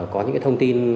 có những cái thông tin